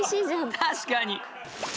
確かに。